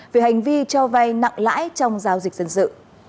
về hành vi cho vay nặng lãi trong giao dịch dân sự